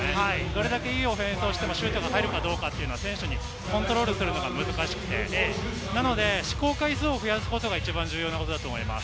どれだけいいオフェンスをしてもシュートが入るかどうかは選手にコントロールするのは難しくて、なので試行回数を増やすことが重要です。